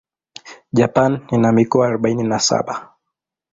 Japan ina mikoa arubaini na saba.